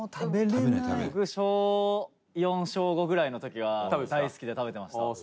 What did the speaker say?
宮田：僕小４、小５ぐらいの時は大好きで食べてました。